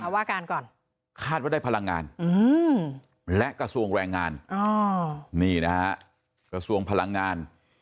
เอาว่าการคาดว่าได้พลังงานและกระทรวงแรงงาน